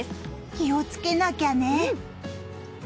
気をつけなきゃね！